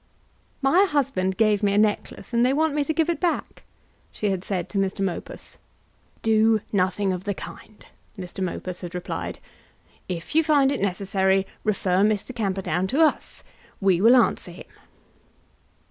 "My husband gave me a necklace, and they want me to give it back," she had said to Mr. Mopus. "Do nothing of the kind," Mr. Mopus had replied. "If you find it necessary, refer Mr. Camperdown to us. We will answer him."